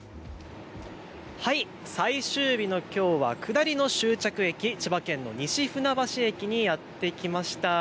最終日のきょうは下りの終着駅、千葉県の西船橋駅にやって来ました。